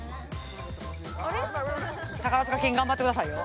宝塚筋頑張ってくださいよ